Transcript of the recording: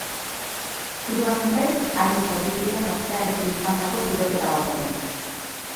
Hiru agente arin zauritu dira gaztearekin izandako tiroketa batean.